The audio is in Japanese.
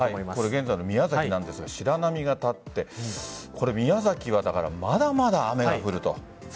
現在の宮崎なのですが白波が立って宮崎はまだまだ雨が降ると。